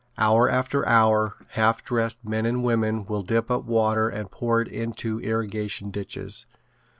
Hour after hour half dressed men and women will dip up water and pour it into irrigation ditches.